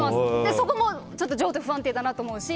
そこも情緒不安定だなと思うし。